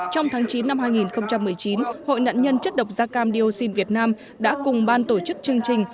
trong tháng chín năm hai nghìn một mươi chín hội nạn nhân chất độc gia cam điêu xin việt nam đã cùng ban tổ chức chương trình